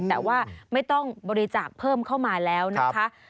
แต่ว่าไม่ต้องบริจาคเพิ่มเข้ามาแล้วนะคะ